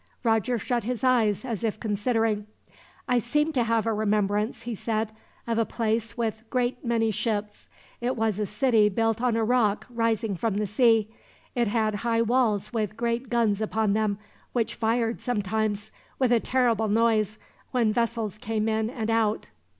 Roger shut his eyes, as if considering. "I seem to have a remembrance," he said, "of a place with many great ships. It was a city built on a rock rising from the sea. It had high walls with great guns upon them, which fired sometimes, with a terrible noise, when vessels came in and out."